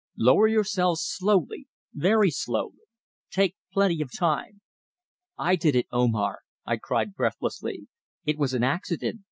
Lower yourselves slowly very slowly take plenty of time." "I did it, Omar," I cried breathlessly. "It was an accident.